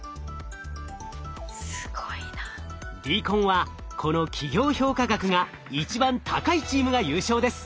ＤＣＯＮはこの企業評価額が一番高いチームが優勝です。